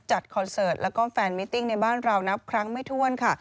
จัดคอนเสิร์ตและแฟนมิติ้งในบ้านเรานับครั้งไม่ท่วน